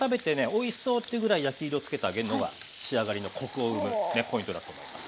おいしそうってぐらい焼き色つけてあげるのが仕上がりのコクを生むポイントだと思います。